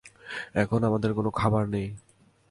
এখন আমাদের কোনো খাবার নেই।